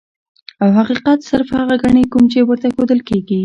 او حقيقت صرف هغه ګڼي کوم چي ورته ښودل کيږي.